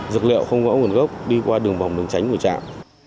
dược liệu không rõ nguồn gốc đi qua đường vòng đường tránh của trạm